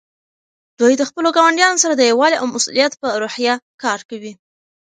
دوی د خپلو ګاونډیانو سره د یووالي او مسؤلیت په روحیه کار کوي.